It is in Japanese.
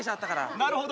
なるほど。